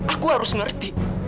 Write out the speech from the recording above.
aku harus ngerti